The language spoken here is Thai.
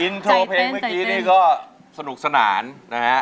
อินโทรเพลงเมื่อกี้นี่ก็สนุกสนานนะฮะ